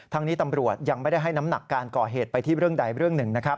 นี้ตำรวจยังไม่ได้ให้น้ำหนักการก่อเหตุไปที่เรื่องใดเรื่องหนึ่งนะครับ